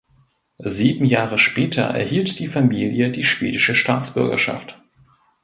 Sieben Jahre später erhielt die Familie die schwedische Staatsbürgerschaft.